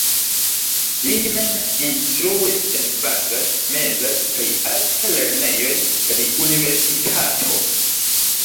Li mem instruis en bazaj, mezaj kaj alta lernejoj kaj universitato.